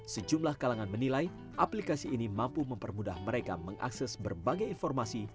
sejumlah kalangan menilai aplikasi ini mampu mempermudah mereka mengakses berbagai informasi